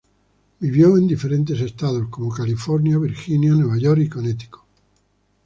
Vivió en diferentes estados como California, Virginia, Nueva York y Connecticut.